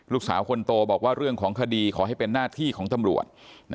ลูกสาวคนโตบอกว่าเรื่องของคดีขอให้เป็นหน้าที่ของตำรวจ